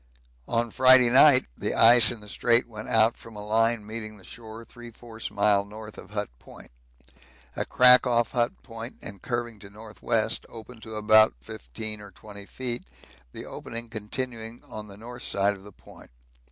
On Friday night the ice in the Strait went out from a line meeting the shore 3/4 mile north of Hut Point. A crack off Hut Point and curving to N.W. opened to about 15 or 20 feet, the opening continuing on the north side of the Point.